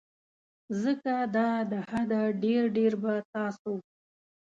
ځکه دا د حده ډیر ډیر به تاسو